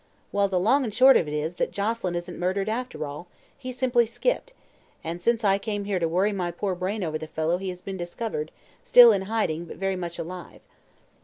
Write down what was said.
Well, the long and short of it is that Joselyn isn't murdered, after all. He simply skipped, and since I came here to worry my poor brain over the fellow he has been discovered, still in hiding but very much alive."